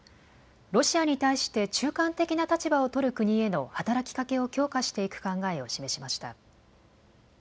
ロシアに対して中間的な立場を取る国への働きかけを強化していく考えを示しました。